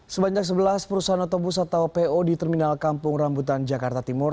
sebanyak sebelas perusahaan otobus atau po di terminal kampung rambutan jakarta timur